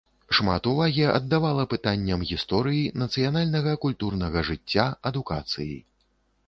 Шмат увагі аддавала пытанням гісторыі, нацыянальнага культурнага жыцця, адукацыі.